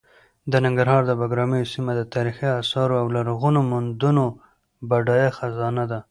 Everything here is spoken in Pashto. د ننګرهار د بګراميو سیمه د تاریخي اثارو او لرغونو موندنو بډایه خزانه ده.